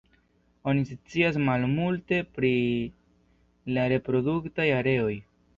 Oni scias malmulte pri la reproduktaj areoj.